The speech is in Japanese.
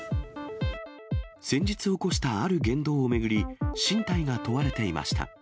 先日起こしたある言動を巡り、進退が問われていました。